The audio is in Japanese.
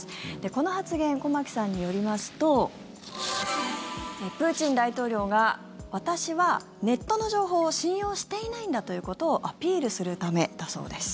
この発言、駒木さんによりますとプーチン大統領が私はネットの情報を信用していないんだということをアピールするためだそうです。